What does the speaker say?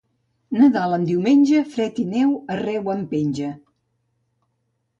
Nadal en diumenge, fred i neu arreu en penja.